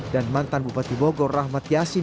dan mantan bupati bogor rahmat yasin